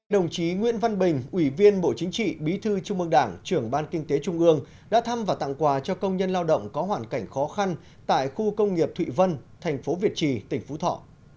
đồng chí nguyễn văn bình ủy viên bộ chính trị bí thư trung ương đảng trưởng ban kinh tế trung ương đã thăm và tặng quà cho công nhân lao động có hoàn cảnh khó khăn tại khu công nghiệp thụy vân thành phố việt trì tỉnh phú thọ